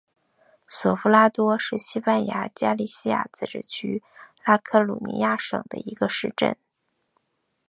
索夫拉多是西班牙加利西亚自治区拉科鲁尼亚省的一个市镇。